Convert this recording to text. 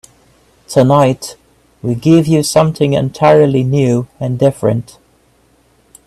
Tonight we give you something entirely new and different.